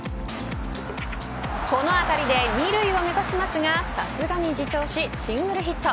この辺りで２塁を目指しますがさすがに自重しシングルヒット。